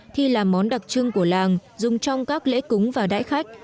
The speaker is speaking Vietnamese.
thi là món đặc trưng của làng dùng trong các lễ cúng và đại khách